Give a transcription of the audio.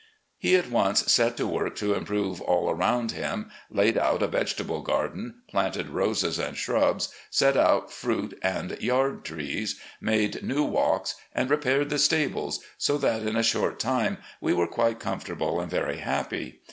He at once set to work to improve all around him, laid out a vegetable garden, planted roses and shrubs, set out fruit and yard trees, made new walks and repaired the stables, so that in a short time we were quite com fortable and very happy.